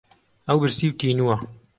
ئەو برسی و تینووە.